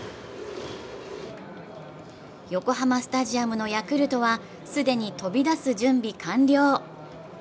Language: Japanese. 横浜スタジアムのヤクルトは既に飛び出す準備完了。